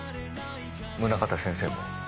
宗方先生も。